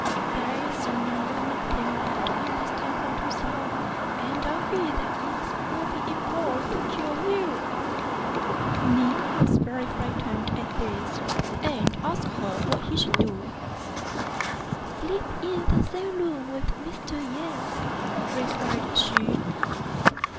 There is now nothing left in this temple to slay, and I fear that imps will be employed to kill you. Ning was very frightened at this, and asked her what he should do. " Sleep in the same room with Mr. Yen," replied she.